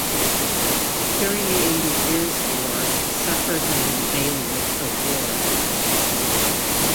During the Eighty Years' War suffered under the bailiwick of war.